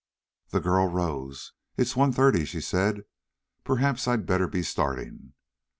The girl rose. "It is one thirty," she said. "Perhaps I had better be starting.